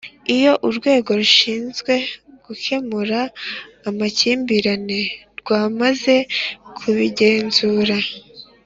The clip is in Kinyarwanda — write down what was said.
Iyo Urwego rushinzwe gukemura amakimbirane rwamaze kubigenzura